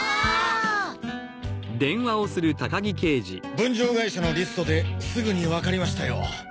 分譲会社のリストですぐにわかりましたよ。